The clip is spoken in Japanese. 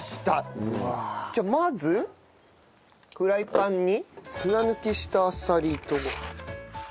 じゃあまずフライパンに砂抜きしたあさりと。